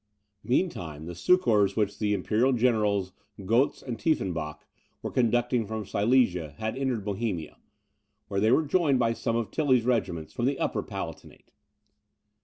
Meantime the succours which the imperial generals, Goetz and Tiefenbach, were conducting from Silesia, had entered Bohemia, where they were joined by some of Tilly's regiments, from the Upper Palatinate.